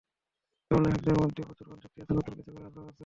তরুণ লেখকদের মধ্যে প্রচুর প্রাণশক্তি আছে, নতুন কিছু করার আগ্রহ আছে।